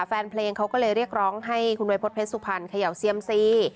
แฟนเพลงเขาก็เลยเรียกร้องให้คุณวัยพฤษเพชรสุพรรณเขย่าเซียมซี